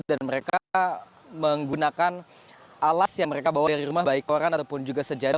dan mereka menggunakan alas yang mereka bawa dari rumah baik koran ataupun juga sejadah